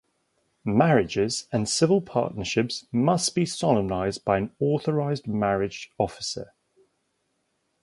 Marriages and civil partnerships must be solemnised by an authorised marriage officer.